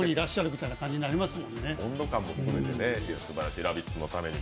いや、すばらしい、「ラヴィット！」のためにも。